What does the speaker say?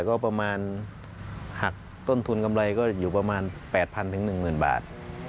ก็ประมาณหักต้นทุนกำไรก็อยู่ประมาณ๘๐๐๑๐๐บาท